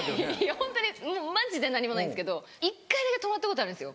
ホントにマジで何もないんですけど１回だけ泊まったことあるんです。